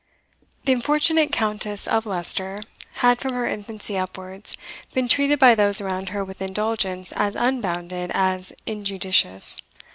The unfortunate Countess of Leicester had, from her infancy upwards, been treated by those around her with indulgence as unbounded as injudicious.